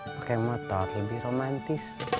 pakai motor lebih romantis